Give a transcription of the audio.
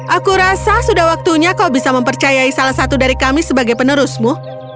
aku rasa sudah waktunya kau bisa mempercayai salah satu dari kami sebagai penerusmu